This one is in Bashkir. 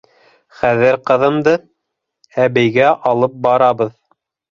Хәҙер ҡыҙымды... әбейгә алып барабыҙ.